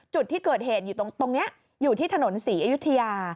จุดที่เกิดเหตุอยู่ตรงนี้อยู่ที่ถนนศรีอยุธยา